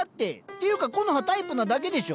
ていうかコノハタイプなだけでしょ。